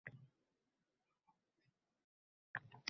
Monopolist narxni sababsiz oshirganda